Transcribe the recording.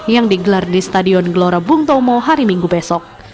yang digelar di stadion gelora bungtomo hari minggu besok